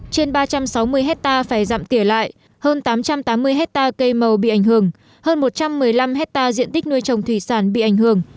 trên ba trăm sáu mươi hectare phải giảm tiể lại hơn tám trăm tám mươi hectare cây màu bị ảnh hưởng hơn một trăm một mươi năm hectare diện tích nuôi trồng thủy sản bị ảnh hưởng